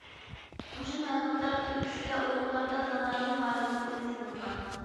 مۇشۇ مەلۇماتلار تۈرتكىسىدە ئۇيغۇرلاردا زامانىۋى مائارىپنىڭ ئۇلى سېلىنغان.